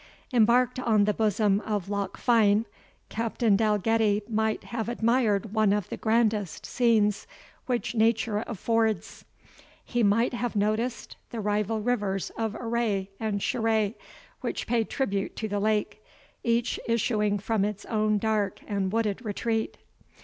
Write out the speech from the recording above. Embarked on the bosom of Loch Fine, Captain Dalgetty might have admired one of the grandest scenes which nature affords. He might have noticed the rival rivers Aray and Shiray, which pay tribute to the lake, each issuing from its own dark and wooded retreat.